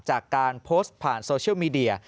จากการโพสต์ผ่านโซเชียลมีเดีย